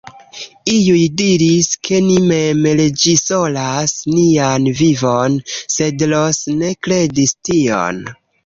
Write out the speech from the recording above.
Iuj diris, ke ni mem reĝisoras nian vivon, sed Ros ne kredis tion.